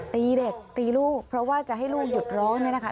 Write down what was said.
ตีเด็กตีลูกเพราะว่าจะให้ลูกหยุดร้องเนี่ยนะคะ